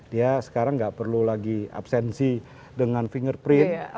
dia sekarang nggak perlu lagi absensi dengan fingerprint